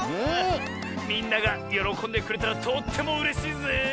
みんながよろこんでくれたらとってもうれしいぜ！